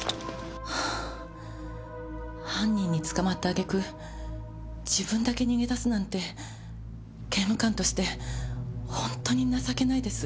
はぁ犯人に捕まったあげく自分だけ逃げ出すなんて刑務官として本当に情けないです。